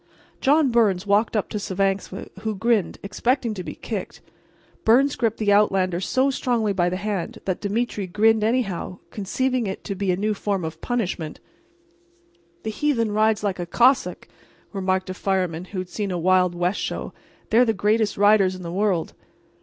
John Byrnes walked up to Svangvsk, who grinned, expecting to be kicked. Byrnes gripped the outlander so strongly by the hand that Demetre grinned anyhow, conceiving it to be a new form of punishment. "The heathen rides like a Cossack," remarked a fireman who had seen a Wild West show—"they're the greatest riders in the world."